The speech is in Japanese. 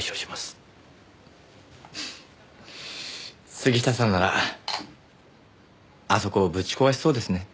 杉下さんならあそこをぶち壊しそうですね。